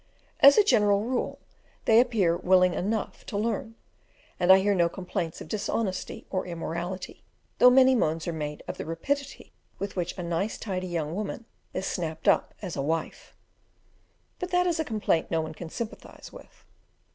As a general rule, they, appear willing enough to learn, and I hear no complaints of dishonesty or immorality, though many moans are made of the rapidity with which a nice tidy young woman is snapped up as a wife; but that is a complaint no one can sympathise with.